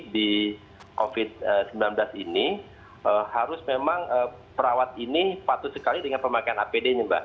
di covid sembilan belas ini harus memang perawat ini patut sekali dengan pemakaian apd nya mbak